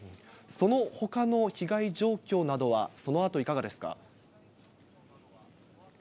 そのほかの被害状況などは、そのあといかがですか。